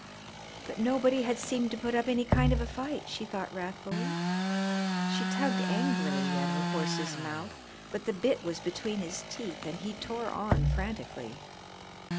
But nobody had seemed to put up any kind of a fight, she thought wrathfully. She tugged angrily at her horse's mouth, but the bit was between his teeth and he tore on frantically.